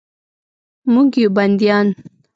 موږ یو بندیان